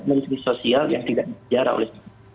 menurut sosial yang tidak dikejar oleh bbm